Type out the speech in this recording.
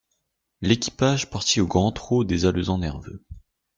L'équipage partit au grand trot des alezans nerveux.